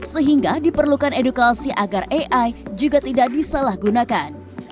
sehingga diperlukan edukasi agar ai juga tidak disalahgunakan